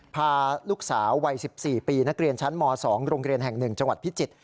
พาลูกสาววัย๑๔ปีนักเรียนชั้นม๒โรงเรียนแห่ง๑จังหวัดพิจิตร